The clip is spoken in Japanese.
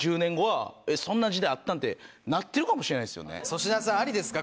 粗品さんありですか？